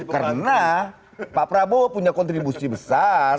karena pak prabowo punya kontribusi besar